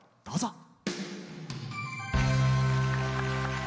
どうぞ。